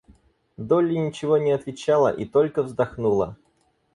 Долли ничего не отвечала и только вздохнула.